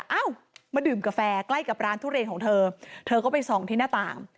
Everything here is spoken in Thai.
เอ้ามาดื่มกาแฟใกล้กับร้านทุเรียนของเธอเธอก็ไปส่องที่หน้าต่าง